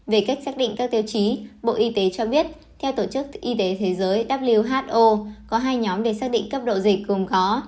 về cách xác định các tiêu chí bộ y tế cho biết theo tổ chức y tế thế giới who có hai nhóm để xác định cấp độ dịch cùng khó